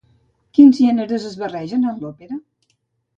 Quins gèneres es barregen en l'òpera?